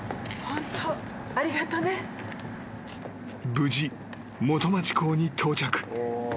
［無事元町港に到着］